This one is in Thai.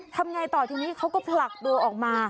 ทำไงต่อทีนี้เขาก็ผลักตัวออกมา